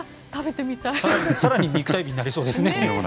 更に肉体美になりそう。